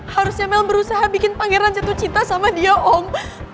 harusnya mel berusaha bikin pangeran jatuh cinta sama dia om